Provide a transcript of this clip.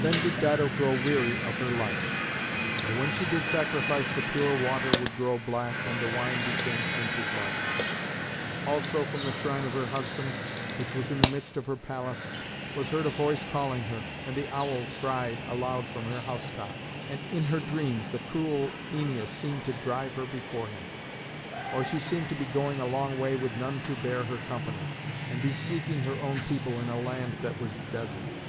Then did Dido grow weary of her life. For when she did sacrifice the pure water would grow black and the wine be changed into blood. Also from the shrine of her husband, which was in the midst of her palace, was heard a voice calling her, and the owl cried aloud from her house top. And in her dreams the cruel Æneas seemed to drive her before him; or she seemed to be going a long way with none to bear her company, and be seeking her own people in a land that was desert.